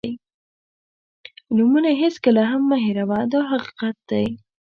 نومونه یې هېڅکله هم مه هېروه دا حقیقت دی.